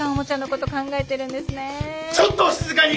ちょっとお静かに！